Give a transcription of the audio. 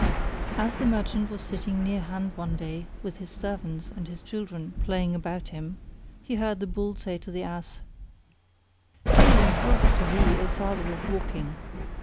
As the merchant was sitting near hand one day with his servants and his children were playing about him, he heard the Bull say to the Ass, "Hail and health to thee O Father of Waking!